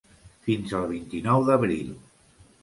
Fins al vint-i-nou d’abril.